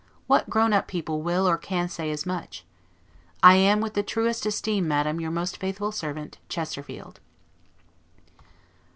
What grown up people will or can say as much? I am, with the truest esteem, Madam, your most faithful servant. CHESTERFIELD.